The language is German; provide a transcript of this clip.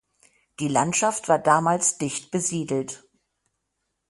Die Landschaft war damals dicht besiedelt.